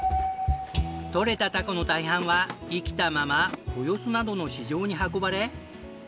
獲れたタコの大半は生きたまま豊洲などの市場に運ばれ。